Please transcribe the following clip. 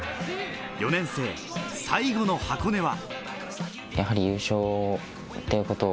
４年生、最後の箱根は。